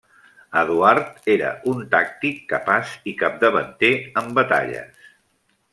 Eduard era un tàctic capaç i capdavanter en batalles.